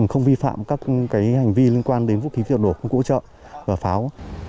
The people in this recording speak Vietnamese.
không vi phạm các hành vi liên quan đến vũ khí vật nổ công cụ hỗ trợ và pháo